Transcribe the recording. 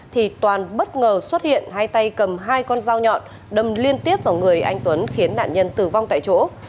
thì toàn bất ngờ xuất hiện hai tay cầm hai con dao nhọn đâm liên tiếp vào người anh tuấn khiến nạn nhân tử vong tại chỗ